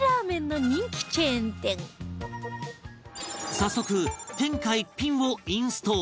早速「天下一品」をインストール